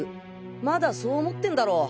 まだそう思ってんだろ。